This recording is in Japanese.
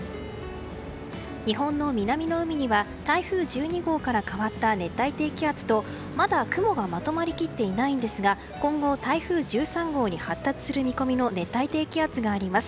日本の南の海には台風１２号から変わった熱帯低気圧と、まだ雲がまとまりきっていないんですが今後、台風１３号に発達する見込みの熱帯低気圧があります。